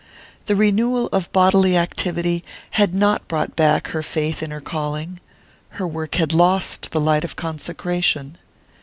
The renewal of bodily activity had not brought back her faith in her calling: her work had lost the light of consecration.